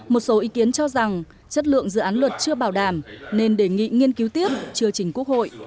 một số ý kiến cho rằng chất lượng dự án luật chưa bảo đảm nên đề nghị nghiên cứu tiếp chưa trình quốc hội